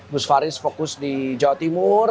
gus faris fokus di jawa timur